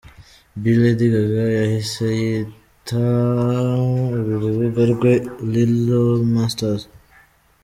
be, Lady Gaga yahise yita uru rubuga rwe, Littlemonsters.